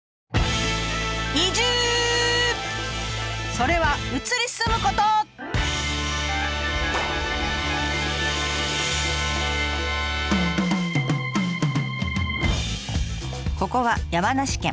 それはここは山梨県。